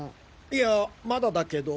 いやまだだけど。